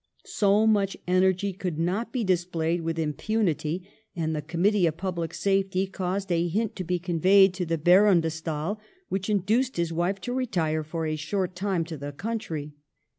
So much energy could not be displayed with impunity, and the Committee of Public Safety caused a hint to be conveyed to the Baron de Stael, which induced his wife to retire for a short time to the country.